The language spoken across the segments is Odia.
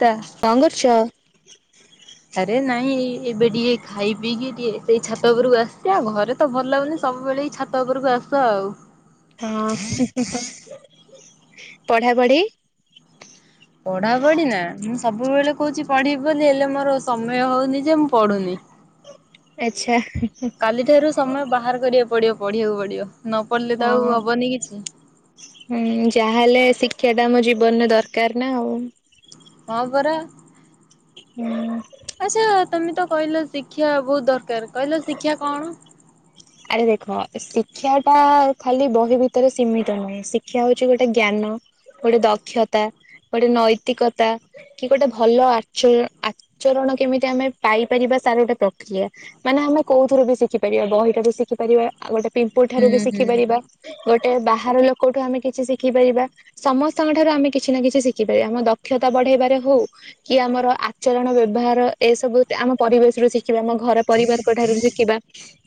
ତା। କଣ୍ କରୁଚ? ଆରେ ନାଇଁ ଏବେ ଟିକେ ଖାଇ ପିଇକି ଟିକେ ସେଇ ଛାତ ଉପରକୁ ଆସିଛି ଆଉ, ଆମ ଘରେ ତ ଭଲ ଲାଗୁନି ସବୁବେଳେ ଏଇ ଛାତ ଉପରକୁ ଆସୁ ଆଉ। ହଁ, [inaudible] ପଢା ପଢି? ପଢା ପଢି ନା? ମୁଁ ସବୁବେଳେ କହୁଛି ପଢିବି ବୋଲି ହେଲେ ମୋର ସମୟ ହଉନି ଯେ ମୁଁ ପଢୁନି। ଆଚ୍ଛା। କାଲିଠାରୁ ସମୟ ବାହାର କରିବାକୁ ପଡିବ ପଢିବାକୁ ପଡିବ। ନ ପଢିଲେ ତ ଆଉ ହଁ। ହବନି କିଛି। ହୁଁ, ଯାହାହେଲେ ଶିକ୍ଷା ଟା ଆମ ଜୀବନରେ ଦରକାର ନା ଆଉ। ହଁ ପରା। ନା ଆଚ୍ଛା, ତୋମେ ତ କହିଲ ଶିକ୍ଷା ବହୁତ ଦରକାର, କହିଲ ଶିକ୍ଷା କଣ? ଆରେ ଦେଖ ଏ ଶିକ୍ଷାଟା ଖାଲି ବହି ଭିତରେ ସୀମିତ ନୁହେଁ। ଶିକ୍ଷା ହଉଛି ଗୋଟେ ଜ୍ଞାନ। ଗୋଟେ ଦକ୍ଷତା ଗୋଟେ ନୈତିକତା। କି ଗୋଟେ ଭଲ ଆଚ- ଆଚରଣ କେମିତି ଆମେ ପାଇପାରିବା ତାର ଗୋଟେ ପ୍ରକ୍ରିୟା। ମାନେ ଆମେ କୋଉଥିରୁ ବି ଶିଖିପାରିବା, ବହିରୁ ବି ଶିଖି ପାରିବା, ଆଉ ଗୋଟେ ପିମ୍ପୁଡି ହୁଁ ଠାରୁ ବି ହୁଁ ଶିଖିପାରିବା। ଗୋଟେ ବାହାର ଲୋକଠୁ ଆମେ କିଛି ଶିଖିପାରିବା। ସମସ୍ତଙ୍କ ଠାରୁ ଆମେ କିଛି ନା କିଛି ଶିଖିପାରିବା ଆମ ଦକ୍ଷତା ବଢେଇବାରେ ହଉ। କି ଆମର ଆଚରଣ ବ୍ୟବହାର ଏ ସବୁ ଆମ ପରିବେଶରୁୁ ଶିଖିବା। ଆମ ଘର ପରିବାରଙ୍କ ଠାରୁ ଶିଖିବା।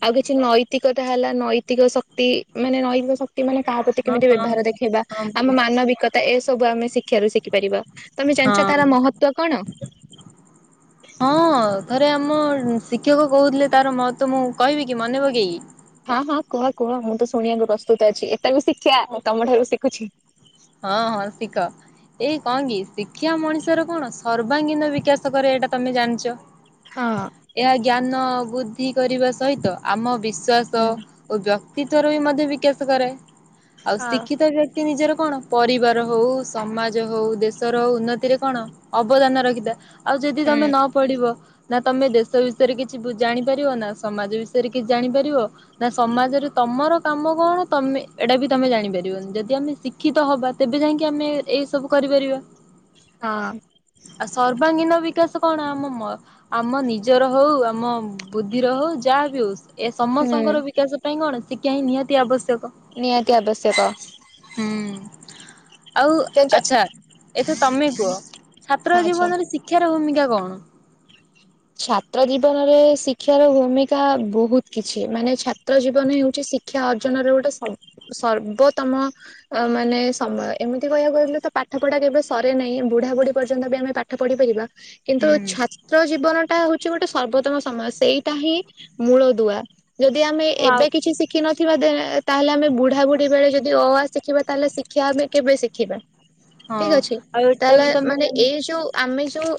ଆଉ କିଛି ନୈତିକତା ହେଲା ନୈତିକ ଶକ୍ତି ମାନେ ନୈତିକ ଶକ୍ ତି ମାନେ କାହା ପ୍ରତି ହଁ କେମିତି ହଁ ବ୍ୟବହାର ଦେଖେଇବା। ହଁ ମୁଁ ଆମ ବୁଝୁଛି ମାନବିକତା ଏସବୁ ଆମେ ଶି କ୍ଷାରୁ ଶିଖିପାରିବ, ତୋମେ ଜାଣିଛ ହଁ। ତାର ମହତ୍ୱ କଣ? [inaudible] ହଁ ଥରେ ଆମ ଶିକ୍ଷକ କହୁଥିଲେ ତାର ମହତ୍ଵ ମୁଁ କହିବି କି ମନେ ପକେଇକି? ହଁ, ହଁ କୁହ କୁହ ମୁଁ ତ ଶୁଣିବାକୁ ପ୍ରସ୍ତୁତ ଅଛି। ଏଟା ବି ଶିକ୍ଷା, ମୁଁ ତୋମ ଠାରୁ ବି ଶିଖୁଛି। ହଁ ହଁ ଶିଖ। ଏଇ କଣ କି ଶିକ୍ଷା ମଣିଷର କଣ ସର୍ବାଙ୍ଗୀନ ବିକାଶ କରେ ଏଇଟା ତୋମେ ଜାଣିଚ। ହଁ। ଏହା ଜ୍ଞାନ ବୃଦ୍ଧି କରିବା ସହିତ ଆମ ବିଶ୍ବାସ ହୁଁ ଓ ବ୍ୟକ୍ତିତଵ୍ର ବି ମଧ୍ୟ ବିକାଶ କରେ, ଆଉ ଶିକ୍ଷିତ ବ୍ୟକ୍ତି ନିଜର କଣ? ପରିବାର ହଉ ସମାଜ ହଉ ଦେଶର ହଉ ଉନ୍ନତିରେ କଣ ଅବଦାନ ରଖିଥାଏ। ଆଉ ଯଦି ତୋମେ ନ ପଡିବ ନା ତୋମେ ଦେଶ ବିଷୟରେ କିଛି ଜାଣିପାରିବ ନା ସମାଜ ବିଷୟରେ କିଛି ଜାଣିପାରିବ। ନା ସମାଜରେ ତୋମର କାମ କଣ ତୋମେ ଏଟା ବି ତୋମେ ଜାଣିପାରିବନି। ଯଦି ଆମେ ଶିଖି ତ ହବା ତେବେ ଯାଇକି ଆମେ ଏଇ ସବୁ କରିପାରିବା। ହଁ। ଆଉ ସର୍ବାଙ୍ଗୀନ ବିକାଶ କଣ ଆମ ମ ଆମ ନିଜର ହଉ ଆମ ବୁଦ୍ଧିର ହଉ ଯାହା ବି ହଉ। ଏ ହୁଁ ସମସ୍ତଙ୍କର ବିକାଶ ପାଇଁ କଣ ଶିକ୍ଷା ହିଁ ନିହାତି ଆବଶ୍ୟକ। ନିହାତି ଆବଶ୍ୟକ। ହୁଁ। ଆଉ ଜାଣିଛ ଆଚ୍ଛା ଏଥର ତୋମେ କୁହ ହଁ ଛାତ୍ର ଆଚ୍ଛା ଜୀବନରେ ଶିକ୍ଷାର ଭୂମିକା କଣ? ଛାତ୍ର ଜୀବନରେ ଶିକ୍ଷାର ଭୂମିକା ବହୁତ କିଛି ମାନେ ଛାତ୍ର ଜୀବନ ହେଉଛି ଶି କ୍ଷା ଅର୍ଜନରେ ଗୋଟେ ସ- ସର୍ବୋତମ ଅ, ମାନେ ସମୟ ଏମିତି କହିବାକୁ ଗଲେ ତ ପାଠ ପଢା କେବେ ସରେ ନାହିଁ। ବୁଢାବୁଢ଼ୀ ପର୍ଯ୍ୟନ୍ତ ବି ଆମେ ପାଠ ପଢି ପାରିବା। କିନ୍ତୁ ହୁଁ। ଛାତ୍ର ଜୀବନ ସିଏ ଗୋଟେ ସର୍ବୋତ୍ତମ ସମୟ ସେଇଟାହିଁ ମୂଳଦୁଆ ଯଦି ଆମେ ହଁ ଆଉ ଏବେ କିଛି ଶିଖ ଶିଖିନଥିବା ଦେଏଁ ତାହେଲେ ଆମେ ବୁଢା ବୁଢୀ ବେଳେ ଯଦି ଅ ଆ ଶିଖିବା ତାହେଲେ ଶିକ୍ଷା ଆମେ କେବେ ଶିଖିବା? ହଁ ଠିକ ଅଛି ଆଉ ଏଟା ତାହେଲେ ବି ତମେ ମାନେ ଜାଣି ଏଇ ଯୋଉ ଆମେ ଯୋଉ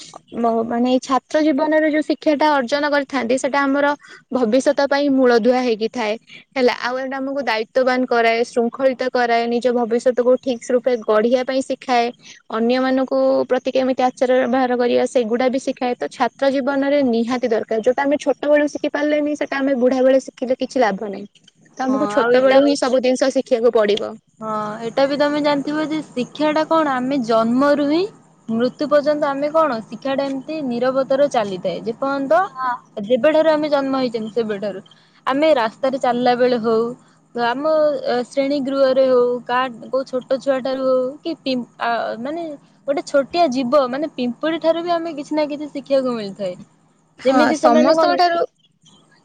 ମ ମାନେ ଏଇ ଛାତ୍ର ଜୀବନ ମାନେ ଏ ଯୋଉ ଶିକ୍ଷାଟା ଅର୍ଜନ କରିଥାନ୍ତି ସେଇଟା ଆମର ଭବିଷ୍ୟତ ପାଇଁ ମୂଳଦୁଆ ହେଇକି ଥାଏ। ହେଲା ଆଉ ଏଇଟା ଆମକୁ ଦାୟିତ୍ୱବାନ କରାଏ ଶୃଙ୍ଖଳିତ କରାଏ ନିଜ ଭବିଷ୍ୟତକୁୁ ଠିକସ୍ ରୂପେ ଗଢିବା ପାଇଁ ଶିଖ ଖାଏ ଅନ୍ୟମାନଙ୍କୁ ପ୍ରତି କେମିତି ଆଚାର ବ୍ୟବହାର କରିବା ସେଗୁଡାବି ଶିଖାଏତ ଛାତ ଛାତ୍ର ଜୀବନରେ ନିହାତି ଦରକାର ଯୋଉଟା ଆମେ ଛୋଟବୋଳୁ ଶିଖି ପାରିଲେନି ସେଟା ଆମେ ବୁଢାବେଳେ ଶିଖିଲେ କିଛି ଲାଭ ନାହିଁ। ହଁ ତମକୁ ଆଉ ଛୋଟ ଏଟା ବେଳୁହିଁ ସବୁ ଜିନିଷ ଶିଖିବାକୁ ପଡିବ। ହଁ ଏଇଟାବି ତମେ ଜାଣିଥିବଯେ ଶିକ୍ଷାଟା କଣ ଆମେ ଜନ୍ମରୁ ହିଁ ମୃତ୍ୟୁ ପର୍ଯ୍ୟନ୍ତ ଆମେ କଣ ଶିକ୍ଷାଟା ଏମିତି ନିରବତାରୁ ଚାଲିଥାଏ ଯେ ପର୍ଯ୍ୟନ୍ତ। ଯେବେଠାରୁ ଆମେ ଜନ୍ମ ହେଇଚନ୍ତି ସେବେଠାରୁ। ଆମେ ରାସ୍ତାରେ ଚାଲିଲା ବେଳେ ହଉ ତ ଆମ ଶ୍ରେଣୀ ଗୃହ ହଉ କା କୋଉ ଛୋଟ ଛୁଆଟାରୁ ହଉ କି ପି ଆ ମାନେ ଗୋଟେ ଛୋଟିଆ ଜୀବ ମାନେ ପିମ୍ପୁଡି ଠାରୁବି ଆମେ କିଛିନା କିଛି ଶିଖିବାକୁ ମିଳିଥାଏ। ହଁ ଯେମିତି ସେମାନେ ସମସ୍ତଙ୍କ କଣ ଠାରୁ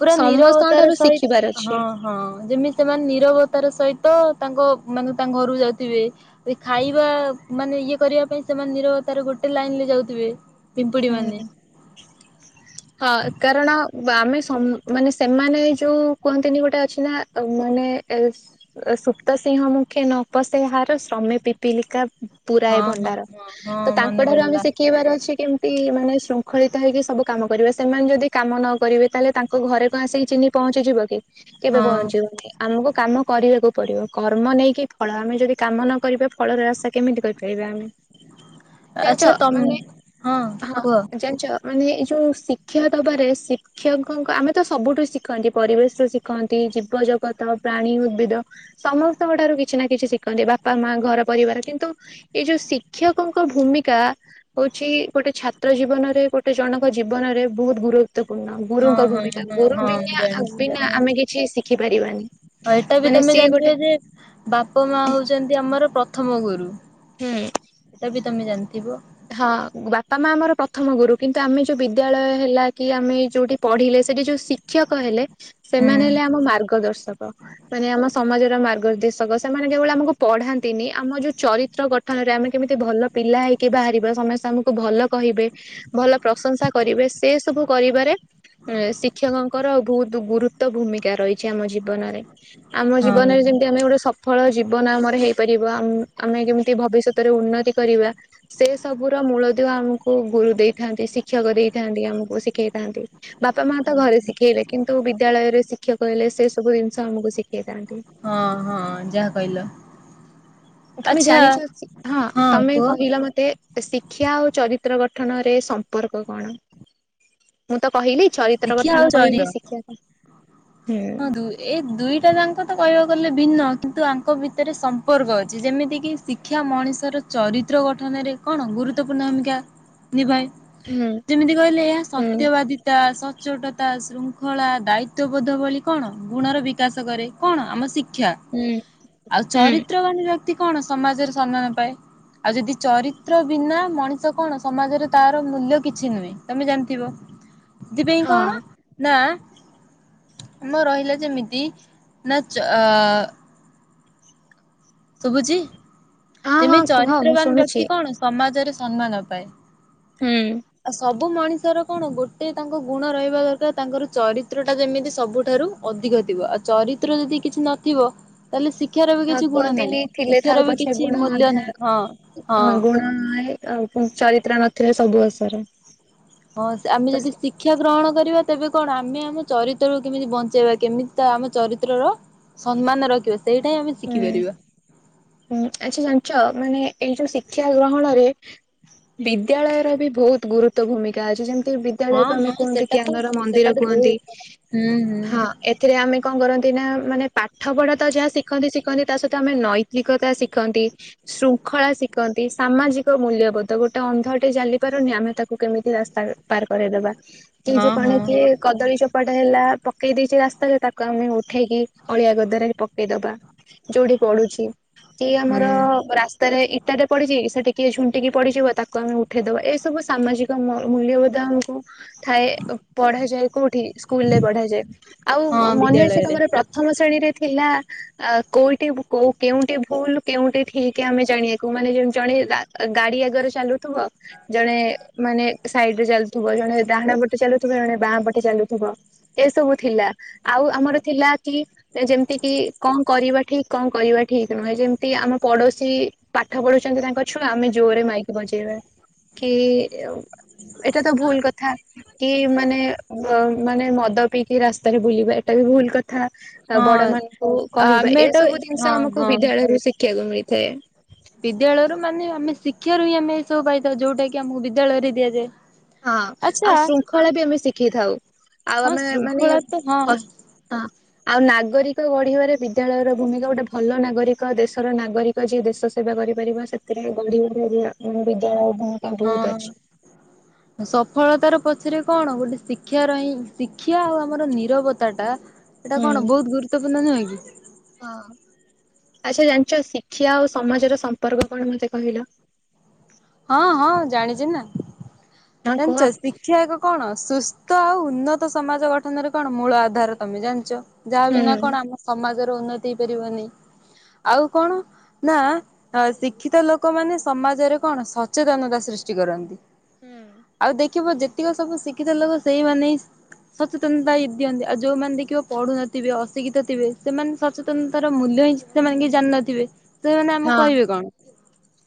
ପୁରା ସମସ୍ତଙ୍କ ନିରବତାର ଠାରୁ ସହି ଶିଖିବାର ହଁ। ଅଛି। ହଁ ଯେମିତି ସେମାନେ ନିରବତାର ସହିତ ତାଙ୍କ ମାନେ ତାଙ୍କ ଘରୁକୁ ଯାଉଥିବେ। ଏ ଖାଇବା ମାନେ ଇଏ କରିବା ପାଇଁ ସେମାନେ ନିରବ ତାର ଗୋଟେ ଲାଇନରେ ଯାଉଥିବେ। ପିମ୍ପୁଡି ମାନେ ହୁଁ। ହଁ କାରଣ ଆମେ ସ ମାନେ ସେମାନେ ଯୋଉ କୁହନ୍ତିନି ଗୋଟେ ଅଛିନା ମାନେ ସୁପ୍ତ ସିଂହ ମୁଖେ ନପସେ ହାର ଶ୍ରମେ ପି ପିଲିକା ପୁରାଏ ହଁ ହଁ ଭଣ୍ଡାର ହଁ ହଁ ତ ତାଙ୍କ ମନେ ଠାରୁ ଆମେ ପଡିଲା ଶିଖିଇବାର ଅଛି କି ମାନେ ଶୃଙ୍ଖଳିତ ହେଇକି ସବୁ କାମ କରିବା ସେମାନେ ଯଦି କାମ ନକରିବେ ତାହେଲେ ତାଙ୍କ ଘରେ କଣ ଆସିକି ଚିନି ପହଞ୍ଚିଯିବକି? କେବେ ହଁ। ପହଞ୍ଚିବକି? ଆମକୁ କାମ କରିବାକୁ ପଡିବ କର୍ମ ନେଇକି ଫଳ ଆମେ ଯଦି କାମ ନକରିବା ଫଳର ଆଶା କେମିତି କରିପାରିବା ଆମେ ଜାଣିଛ ଆଚ୍ଛା ତମ ମାନେ ହଁ କୁହ। ମାନେ ଏଇଯୋଉ ଶିକ୍ଷା ଦବାରେ ସି ଶିକ୍ଷକଙ୍କ ଆମେତ ସବୁଠୁ ଶିଖନ୍ତି ପରିବେଶ ଶିଖନ୍ତି ଜୀବ ଜଗତ ପ୍ରାଣୀ ଉଦ୍ଭିଦ ସମସ୍ତଙ୍କ ଠାରୁ କିଛିନା କିଛି ଶିଖନ୍ତି ବାପା ମା ଘର ପରିବାର କିନ୍ତୁ ଏଇ ଯୋଉ ଶିକ୍ଷକଙ୍କ ଭୂମିକା ହଉଛି ଗୋଟେ ଛାତ୍ର ଜୀବନରେ ଗୋଟେ ଜଣଙ୍କ ଜୀ ବନରେ ବହୁତ ଗୁରୁତ୍ୱପୂର୍ଣ୍ଣ। ହଁ ହଁ ଗୁରୁଙ୍କଭୂମିକା ହଁ ଗୁରୁ ହଁ ମୁଁ ବିନା ଜାଣିଛି ବିନା ଆମେ କିଛି ଶିଖି ପାରିବାନି। ହଁ ଏଇଟାବି ମାନେ ତମେ ସିଏ ଗୋଟେ ଜାଣିଥିବଯେ ବାପ ମା ହଉଛନ୍ତି ଆମର ପ୍ରଥମ ଗୁରୁ। ହୁଁ। ଏଟାବି ତମେ ଜାଣିଥିବ। ହଁ ବାପା ମା ଆମର ପ୍ରଥମ ଗୁରୁ କିନ୍ତୁ ଆମେ ଯୋଉ ବିଦ୍ୟାଳୟ ହେଲାକି ଆମେ ଏଇ ଯୋଉଠି ପଢିଲେ ସେଠି ଯୋଉ ଶି କ୍ଷକ ହେଲେ ହୁଁ ସେମାନେ ହେଲେ ଆମ ମାର୍ଗଦର୍ଶକ ମାନେ ଆମ ସମାଜ ମାର୍ଗଦର୍ଶକ ସେମାନେ ଯୋଉ ଭଳିଆ ଆମକୁ ପଢାନ୍ତିନି ଆମ ଯୋଉ ଚରିତ୍ର ଗଠନରେ ଆମେ କେମିତି ଭଲ ପିଲା ହେଇକି ବାହାରିବୁ। ପୁରା ସମସ୍ତେ ଆମକୁ ଭଲ କହିବେ ଭଲ ପ୍ରଶଂସା କରିବେ ସେ ସବୁ କରିବାରେ ନେ ଶିକ୍ଷକଙ୍କର ବହୁତ ଗୁରୁତ୍ୱ ଭୂମିକା ରହିଛି ଆମ ଜୀବନରେ ଆମ ହଁ ଜୀବନରେ ଯେମିତି ଆମେ ଗୋଟେ ସଫଳ ଜୀବନ ଆମର ହେଇପାରିବ ଆମ ଆମେ କେମିତି ଭବିଷ୍ୟତ ରେ ଉନ୍ନତି କରିବା ସେ ସବୁର ମୂଳଦୁଆ ଆମକୁ ଗୁରୁ ଦେଇଥାନ୍ତି ଶିକ୍ଷ କ୍ଷକ ଦେଇଥାନ୍ତି ଆମକୁ ଶିଖେଇଥାନ୍ତି ବାପା ମାତ ଘରେ ଶିଖେଇବେ କିନ୍ତୁ ବିଦ୍ୟାଳୟରେ ଶି କ୍ଷକ ହେଲେ ସେ ସବୁ ଜିନିଷ ଆମକୁ ଶିଖେଇଥାନ୍ତି। ହଁ ହଁ ଯାହା କହିଲ। ତମେ ଆଚ୍ଛା ଜାଣିଛ ହଁ ତମେ କହିଲ ମତେ ଶିକ୍ଷା ଆଉ ଚରିତ୍ର ଗଠନରେ ସମ୍ପର୍କ କଣ? ମୁଁ ତ କହିଲି ଚରିତ୍ର ଦେଖିଆ ଆଉ ଗଠନ ଶରୀର କହିଲି ଶିକ୍ଷା ସ ହୁଁ। ହଁ ଦୁ ଏ ଦୁଇଟା ଜାଙ୍କ ତ କହିବାକୁ ଗଲେ ଭିନ୍ନ କିନ୍ତୁ ଆଙ୍କ ଭିତରେ ସମ୍ପର୍କ ଅଛି ଯେମିତି କିି ଶିକ୍ଷା ମଣିଷର ଚରିତ୍ର ଗଠନରେ କଣ ଗୁରୁତ୍ୱପୂର୍ଣ୍ଣ ଭୂମିକା ନିଭାଏ। ହୁଁ ଯେମିତି କହିଲେ ଏହା ହୁଁ ସତ୍ୟବାଦିତା ସତ ସଚୋଟ ତା ଶୃଙ୍ଖଳା ଦାୟିତ୍ବବୋଧ ଭଳି କଣ ଗୁଣର ବିକାଶ କରେ କଣ ଆମ ଶିକ୍ଷ କ୍ଷା ହୁଁ ଆଉ ହୁଁ ଚରିତ୍ରବାନ ବ୍ୟକ୍ତି କଣ ସମାଜରେ ସମ୍ମାନ ପାଏ। ଆଉ ଯଦି ଚରିତ୍ର ବିନା ମଣିଷ କଣ ସମାଜରେ ତାର ମୂଲ୍ୟ କିଛି ନୁହେଁ ତମେ ଜାଣିଥିବ। ସେଥିପାଇଁ କଣ ହଁ ନା ଆମ ରହିଲା ଯେମିତି ନା ଚ ଅ ଶୁବୁଛି ହଁ ହଁ ଯେମିତି କୁହ ମୁଁ ଚରିତ୍ରବାନ ଶୁଣୁଛି ବ୍ୟକ୍ତି କଣ ସମାଜରେ ସମ୍ମାନ ପାଏ। ହୁଁ। ଆଉ ସବୁ ମଣିଷର କଣ ଗୋଟେ ତାଙ୍କ ଗୁଣ ରହିବା ଦରକାର ତାଙ୍କର ଚରିତ୍ର ଟା ଯେମିତି ସବୁଠାରୁ ଅଧିକ ଥିବ ଆଉ ଚରିତ୍ର ଯଦି କିଛି ନଥିବ ତାହେଲେ ଶିକ୍ଷାର ବି ହଁ କିଛି ଗୁଣ ନାହିଁ କୁହନ୍ତିନି ଥିଲେ ଥାଉ ଶିକ୍ଷାର ବି ପଛେ କିଛି ମୂଲ୍ୟ ନାହିଁ, ହଁ ହଁ। [unintelligible] ଆଉ ଚରିତ୍ର ନଥିଲେ ସବୁ ଅସାର। ହଁ ସେ ଆମେ ଯଦି ଶି ଶିକ୍ଷା ଗ୍ରହଣ କରିବା ତେବେ କଣ ଆମେ ଆମ ଚରିତ୍ରକୁ କେମିତି ବଞ୍ଚେଇବା କେମିତି ତା ଆମ ଚରିତ୍ରର ସମ୍ମାନ ରଖିବା ସେଇଟା ହଁ ଆମେ ହୁଁ ଶିଖିପାରିବା। ହୁଁ ଆଛା ଜାଣିଛ ମାନେ ଏଇ ଯୋଉ ଶିକ୍ଷା ଗ୍ରହଣରେ ବିଦ୍ୟାଳୟର ବି ବହୁତ ଗୁରୁତ୍ୱ ଭୂମିକା ଅଛି ଯେମିତି ବି ହଁ ବିଦ୍ୟାଳୟକୁ ଆମେ ହଁ କୁହନ୍ତି ସେଟା ତ ଜ୍ଞାନର ସେଟା ମନ୍ଦିର ତ କୁହନ୍ତି, ବହୁତ ହୁଁ ହୁଁ ହଁ। ଏଥିରେ ଆମେ କଣ କରନ୍ତି ନା ମାନେ ପାଠପଢା ତ ଯାହା ଶିଖନ୍ତି ଶିଖନ୍ତି ତା ସହିତ ଆମେ ନଈ ତିକତା ଶିଖନ୍ତି। ଶୃଙ୍ଖଳା ଶିକନ୍ତି, ସାମାଜିକ ମୂଲ୍ୟବୋଧ ଗୋଟେ ଅନ୍ଧଟେ ଚାଲି ପାରୁନି ଆମେ ତାକୁ କେମିତି ରାସ୍ତା ପାର କରେଇଦବା, କି ହଁ ଯୋଉ କଣ ହଁ କିଏ କଦଳୀ ଚୋପାଟା ହେଲା ପକେଇ ଦେଇଛି ରାସ୍ତାରେ ତାକୁ ଆମେ ଉଠେଇକି ଅଳିଆ ଗଦାରେ ପକେଇଦବା। ଯୋଉଠି ପଡୁଛି କି ଆମର ହୁଁ ରାସ୍ତାରେ ଇଟା ଟେ ପଡିଛି ସେଠିକିଏ ଝୁଣ୍ଟିକି ପଡିଯିବ ତାକୁ ଆମେ ଉଠେଇଦବା ଏସବୁ ସାମାଜିକ ମୂଲ୍ୟବୋଧ ଆମକୁ ଥାଏ ପଢାଯାଏ କୋଉଠି ସ୍କୁଲ ରେ ପଢାଯାଏ ହଁ ଆଉ ମନେ ଅଛି ବିଦ୍ୟାଳୟରେ ତମର ପ୍ର ପ୍ରଥମ ଶ୍ରେଣୀରେ ଥିଲା କୋଉଠି କୋଉ କେଉଠି ଭୁଲ କେଉଠି ଠିକ ଆମେ ଜାଣିବାକୁ ମାନେ ଯେ ଜଣେ ଗାଡି ଆଗରେ ଚାଲୁଥିବ ଜଣେ ମାନେ ସାଇଡ ରେ ଚାଲୁଥିବ ଜଣେ ଡାହାଣ ପଟେ ଚାଲୁଥିବ ଜଣେ ବାଁ ପଟେ ଚାଲୁଥିବ। ଏ ସବୁ ଥିଲା। ଆଉ ଆମର ଥିଲା କି ଯେମିତି କି କଁ କରିବା ଠିକ କଁ କରିବା ଠିକ। ତୁମେ ଯେମିତି ଆମ ପଡୋଶୀ ପାଠ ପଢୁଛନ୍ତି ତାଙ୍କ ଛୁଆ ଆମେ ଜୋରେ ମାଇକି ବଯେଇବା। କି ଏଇଟା ତ ଭୁଲ କଥା କି ମାନେ ମାନେ ମଦ ପିକି ରାସ୍ତାରେ ବୁଲିବା ଏଟା ବି ଭୁଲ କଥା ହଁ ବଡ ମାନଙ୍କୁ କହିବା ଆମେ ତ ଏସବୁ ହଁ ଜିନିଷ ଆମ ହଁ ରୁ ଶିଖିଆକୁ ମିଳିଥାଏ। ବିଦ୍ୟାଳୟରୁ ମାନେ ଆମେ ଶିକ୍ଷାରୁ ହିଁ ଆମେ ଏ ସବୁ ପାଇଥାଉ ଯଉଟା କି ଆମକୁ ବିଦ୍ୟାଳୟରେ ଦିଆଯାଏ। ହଁ ଆଉ ଆଚ୍ଛା ଶୃଙ୍ଖଳା ବି ଆମେ ଶିଖିଥାଉ ଆଉ ହଁ ଆମେ ମାନେ ହ ଶୃଙ୍ଖଳା ତ ହଁ ହଁ ଆଉ ନାଗରିକ ଗଢିବାରେ ବିଦ୍ୟାଳୟର ଭୂମିକା ଗୋଟେ ଭଲ ନାଗରିକ ଦେଶର ନାଗରି କ ଯିଏ ଦେଶ ସେବା କରିପାରିବ ସେଥିରେ [unintelligible] ବିଦ୍ୟାଳୟ ଭୂମିକା ବହୁତ ଅଛି। ହଁ। ସଫଳତାର ପଛରେ କଣ ଗୋଟେ ଶିକ୍ଷା ର ହିଁ ଶିକ୍ଷା ଆଉ ଆମର ନିରବତା ଟା ଏଇଟା ହୁଁ। କଣ ବହୁତ ଗୁରୁତପୂର୍ଣ୍ଣ ନୁହେଁ କି? ହଁ ଆଚ୍ଛା ଜାଣିଛ ଶିକ୍ଷା ଆଉ ସମାଜର ସମ୍ପର୍କ କଣ ମତେ କହିଲ? ହଁ ହଁ ଜାଣିଛି ନା ହଁ କୁହ। ଜାଣିଛ ଶି ଶିକ୍ଷା ଆଗ କଣ ସୁସ୍ଥ ଆଉ ଉନ୍ନତ ସମାଜ ଗଠନରେ କଣ ମୂଳ ଆଧାର ତମେ ଜାଣିଛ। ଯାହା ବିନା ହୁଁ। କଣ ଆମ ସମାଜର ଉନ୍ନତି ହେଇପାରିବନି। ଆଉ କଣ ନା ଶିକ୍ଷିତ ଲୋକମାନେ ସମାଜରେ କଣ ସଚେତନତା ସୃଷ୍ଟି କରନ୍ତି। ହୁଁ। ଆଉ ଦେଖିବ ଯେତିକି ସବୁ ଶିଖିତ ଲୋକ ସେଇମାନେ ସଚେତନତା ଦିଅନ୍ତି ଆଉ ଯୋଉମାନେ ଦେଖିବ ପଢୁନଥିବେ ଅଶିକ୍ଷିତ ଥିବେ ସେମାନେ ସଚେତନତାର ମୂଲ୍ୟ ହିଁ ସେମାନେ କିଛି ଜାଣି ନଥିବେ ତ ସେମାନେ ଆମକୁ ହଁ କହିବେ କଣ।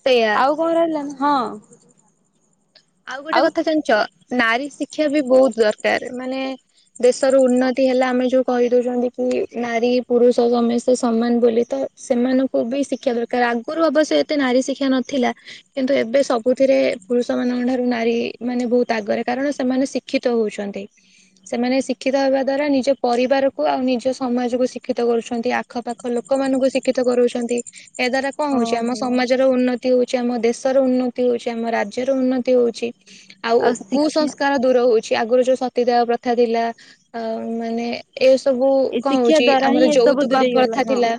ସେଇଆ। ଆଉ କଣ ରହିଲା ନା ହଁ। ଆଉ ଗୋଟେ କଥା ଜାଣିଛ ନାରୀ ଶିକ୍ଷା ବି ବହୁତ ଦରକାର ମାନେ ଦେଶର ଉନ୍ନତି ହେଲା ଆମେ ଯୋଉ କହି ଦଉଛନ୍ତି କି ନାରୀ ପୁରୁଷ ସମସ୍ତେ ସମାନ ବୋଲି ତ। ସେମାନଙ୍କୁ ବି ଶିକ୍ଷା ଦରକାର ଆଗରୁ ଅବଶ୍ୟ ଏତେ ନାରୀ ଶିକ୍ଷା ନଥିଲା। କିନ୍ତୁ ଏବେ ସବୁଥିରେ ପୁରୁଷ ମାନଙ୍କ ଠା ନାରୀ ମାନେ ବହୁତ ଆଗରେ କାରଣ ସେମାନେ ଶିକ୍ଷିତ ହଉଛନ୍ତି। ସେମାନେ ଶିକ୍ଷିତ ହେବା ଦ୍ଵାରା ନିଜ ପରିବାରକୁ ଆଉ ନିଜ ସମାଜକୁ ଶିକ୍ଷିତ କରୁଛନ୍ତି ଆ। ଆଖ ପାାଖ ଲୋକ ମାନଙ୍କୁ ଶିକ୍ଷିତ କରୋଉଛନ୍ତି। ଏହା ଦ୍ଵାରା କଣ ହଁ ହଉଛି ଆମ ହଁ ସମାଜର ଉନ୍ନତି ହଉଛି ଆମ ଦେଶର ଉନ୍ନତି ହଉଛି ଆମ ରାଜ୍ୟର ଉନ୍ନତି ଉନ୍ନତି ହଉଛି ଆଉ କୁସଂସ୍କାର ଦୂର ହୁଏ। ଯେ ଆଗରୁ ଯୋଉ ସତୀଦାହ ପ୍ରଥା ଥିଲା ମାନେ ଏ ସବୁ ଏ କଣ ଶିକ୍ଷା ହଉଛି ଦ୍ଵାରା ହିଁ ଆମର ଏସବୁ ଯୌତୁକ ଦୂରେଇ ଗଲା ପ୍ରଥା ହଁ ଥିଲା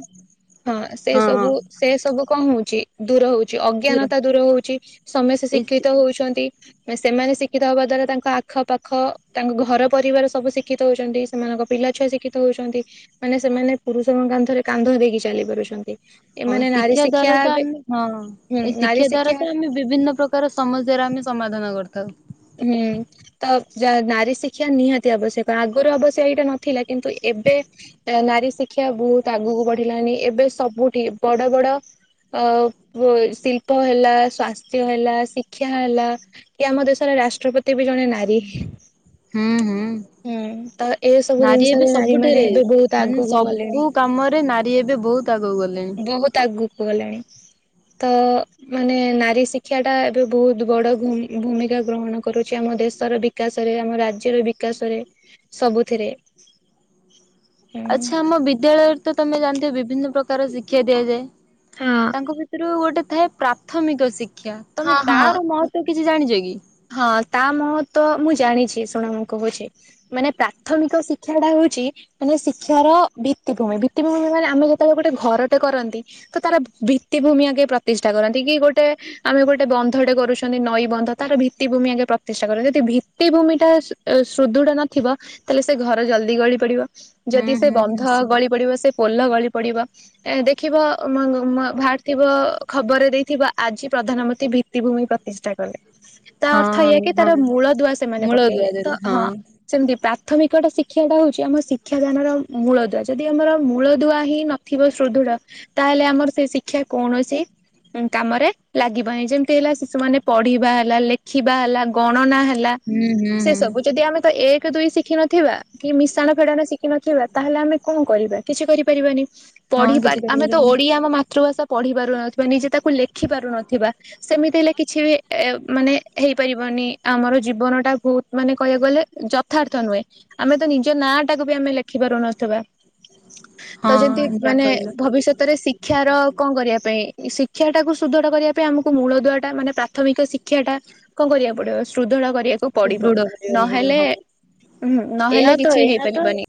ହଁ ସେ ହଁ ସବୁ ସେ ସବୁ କଣ ହଉଛି ଦୂର ହଉଛି, ଅଜ୍ଞାନତା ଦୂର ହଉଛି, ସମସ୍ତେ ଏ ଶିକ୍ଷିତ ହଉଛନ୍ତି। ସେମାନେ ଶିକ୍ଷିତ ହବା ଦ୍ଵାରା ତାଙ୍କ ଆଖ ପାାଖ ତାଙ୍କ ଘର ପରିବାର ସବୁ ଶିକ୍ଷିତ ହଉଛନ୍ତି ସେମାନଙ୍କ ପିଲା ଛୁଆ ଶିକ୍ଷିତ ହଉଛନ୍ତି ମାନେ ସେମାନେ ପୁରୁଷଙ୍କ କାନ୍ଧରେ କାନ୍ଧ ଦେଇ କି ଚାଲି ପାରୁଛନ୍ତି। ହଁ ଏମାନେ ନାରୀ ଶିକ୍ଷା ଦ୍ଵାର ତ ହେବେ ଆମେ ହଁ ହୁଁ ଏ ନାରୀ ଶିକ୍ଷା ଦ୍ୱାରା ତ ଆମେ ବିଭିନ୍ନ ପ୍ରକାର ସମସ୍ୟ ର ଆମେ ସମାଧାନ କରିଥାଉ ହୁଁ। ତ ନାରୀ ଶିକ୍ଷା ନିହାତି ଆବଶ୍ୟକ ଆଗରୁ ଅବଶ୍ୟ ଏଇଟା ନଥିଲା କିନ୍ତୁ ଏବେ ନାରୀ ଶିକ୍ଷା ବହୁତ ଆଗକୁ ବଢିଲାଣି ଏବେ ସବୁଠି ବଡ଼ ବଡ଼ ଅ ପୁ ଶିଳ୍ପ ହେଲା, ସ୍ଵାସ୍ଥ୍ୟ ହେଲା, ଶିକ୍ଷା ହେଲା, କି ଆମ ଦେଶ ରେ ରାଷ୍ଟ୍ରପତି ବି ଜଣେ ନାରୀ। ହୁଁ ହୁଁ। ହୁଁ ତ ଏ ସବୁ ନାରୀ ଜିନିଷରେ ଏବେ ନାରୀ ମାନେ ସବୁଠାରେ ଏବେ ବହୁତ ମାନେ ଆଗକୁ ଗଲେଣି ସବୁ କାମରେ ନାରୀ ଏବେ ବହୁତ ତୁ ଆଗକୁ ଗଲେଣି। ବହୁତ ଆଗୁ ଗଲେଣି ତ ମାନେ ନାରୀ ଶିକ୍ଷା ଟା ଏବେ ବହୁତ ବଡ ଘୁମି ଭୂମି କା ଗ୍ରହଣ କରୁଛି ଆମ ଦେଶର ବିକାଶରେ, ଆମ ରାଜ୍ୟର ବିକାଶରେ ସବୁଥିରେ। ହୁଁ। ଆଚ୍ଛା ଆମ ବିଦ୍ୟାଳୟରେ ତ ତମେ ଜାଣିଥିବ ବିଭିନ୍ନ ପ୍ରକାର ଶିକ୍ଷା ଦିଆଯାଏ। ହଁ ତାଙ୍କ ଭିତୁରୁ ଗୋଟେ ଥାଏ ପ୍ରାଥମିକ ଶିକ୍ଷା ତମେ ହଁ ତାର ହଁ ମ ତ କିଛି ଜାଣିଚ କି? ହଁ ତା ମହତ୍ଵ ମୁଁ ଜାଣିଚି ଶୁଣ ମୁଁ କହୁଚି। ମାନେ ପ୍ରାଥମିକ ଶିକ୍ଷା ଟା ହଉଚି ମାନେ ଶିକ୍ଷାର ଭିତିଭୂମି, ଭିତିଭୂମି ମାନେ ଆମେ ଯେତେବେଳେ ଗୋଟେ ଘର ଟେ କରନ୍ତି ତ ତାର ଭିତ୍ତିଭୂମି ଆଗେ ପ୍ରତିଷ୍ଠା କରନ୍ତି କି ଗୋଟେ ଆମେ ଗୋଟେ ବନ୍ଧଟେ କରୁଛନ୍ତି। ନଈ ବନ୍ଧ ତାର ଭିତ୍ତିଭୂମି ଆଗେ ପ୍ରତିଷ୍ଠା କରନ୍ତି। ଯଦି ଭିତିଭୂମି ଟା ସୂ ସୁଦୃଢ ନଥିବ ତାହେଲେ ସେ ଘର ଜଲ୍ଦି ଗଳି ପଡ଼ିବ। ହୁଁ ଯଦି ସେ ହୁଁ ବନ୍ଧ ନିଶ୍ଚୟ ଗଳି ପଡ଼ିବ ସେ ପୋଲ ଗଳି ପଡ଼ିବ। ଏ ଦେଖିବ [unintelligible] ବାହାରି ଥିବ ଖବରରେ ଦେଇଥିବ ଆଜି ପ୍ରଧାନମନ୍ତ୍ରୀ ଭି ଭିତିଭୂମି ପ୍ରତିଷ୍ଠା କଲେ। ତା ଅର୍ଥ ଏଇଆ ହଁ କି ହଁ ତାର ମୂଳ ଦୁଆ ସେମାନେ ମୂଳଦୁଆ ପକେଇଲେ। ତ ଦେଲେ ହଁ ସେମିତି ପ୍ରାଥମିକ ଟା ଶିକ୍ଷା ଟା ହଉଛି ଆମ ଶିକ୍ଷାଦାନର ମୂଳଦୁଆ। ଯଦି ଆମର ମୂଳଦୁଆ ହିଁ ନ ଥିବ ସୁଦୃଢ ତାହେଲେ ଆମର ସେ ଶିକ୍ଷା କୌଣସି କାମରେ ଲାଗିବନି। ଯେମିତି ହେଲା ଶିଶୁମାନେ ପଢିବା ହେଲା ଲେଖିବା ହେଲା, ଗଣନା ହେଲା ହୁଁ ହୁଁ ସେ ହୁଁ ସବୁ ଯଦି ଆମେ ତ ଏକ, ଦୁଇ ଶିଖିନଥିବା କି ମିଶାଣ, ଫେଡାଣ ଶିଖି ନଖିବା। ତାହେଲେ ଆମେ କଣ କରିବା କିଛି କରିପାରିବାନି। ହଁ ପଢିପାର୍ କିଛି ଆମେ ତ କରିପାରିବନି ଓଡିଆ ଆମ ମା ତୃଭାଷା ପଢି ପାରୁନଥିବା, ନିଜେ ତାକୁ ଲେଖି ପାରୁନଥିବା। ସେମିତି ହେଲେ କିଛି ବି ଏ ମାନେ ହେଇପାରିବନି। ଆମର ଜୀବନଟା ବହୁତ ମାନେ କହିବାକୁ ଗଲେ ଯଥାର୍ଥ ନୁହେଁ। ଆମେ ତ ନିଜ ନାଁ ଟାକୁ ବି ଆମେ ଲେଖି ପାରୁନଥିବା। ତ ଯେମିତି ହଁ ଯାହା ମାନେ କହିଲ ଭବିଷ୍ୟତରେ ଶି ଶିକ୍ଷାର କଣ କରିବା ପାଇଁ ଶିକ୍ଷା ଟାକୁ ସୁଦଡ଼ କରିବା ପାଇଁ ଆମକୁ ମୂଳ ଦୁଆ ଟା ମାନେ ପ୍ରାଥମିକ ଶି ଶିକ୍ଷା ଟା କଣ କରିବାକୁ ପଡ଼ିବ ସୁଦୃଢ କରିବାକୁ ପଡ଼ିବ। ସୁଦୃଢ କରିବାକୁ ପଡିବ ନହେଲେ ହଁ ହୁଁ ନହେଲେ ଏହା ତ କିଛି ଏହା ତ ହେଇପାରିବନି।